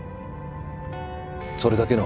それだけの話だ。